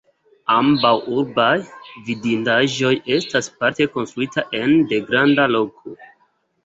Ambaŭ urbaj vidindaĵoj estas parte konstruita ene de granda roko.